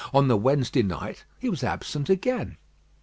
On the Wednesday night he was absent again.